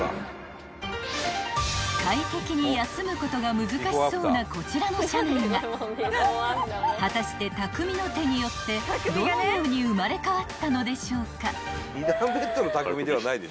［快適に休むことが難しそうなこちらの車内が果たして匠の手によってどのように生まれ変わったのでしょうか］